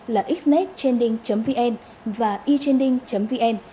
là xnetchending vn và echending vn